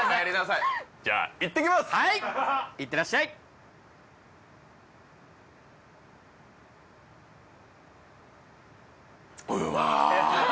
いってらっしゃいハハハ